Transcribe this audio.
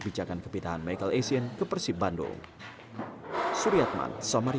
memang bisa meningkatkan keuntungan